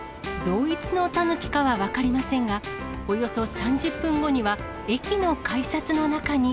同一のタヌキかは分かりませんが、およそ３０分後には、駅の改札の中に。